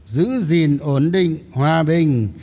giữ gìn ổn định hòa bình